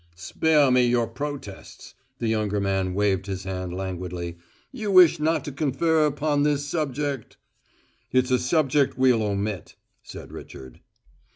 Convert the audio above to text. "Spare me your protests." The younger man waved his hand languidly. "You wish not to confer upon this subject " "It's a subject we'll omit," said Richard.